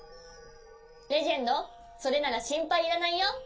レジェンドそれならしんぱいいらないよ。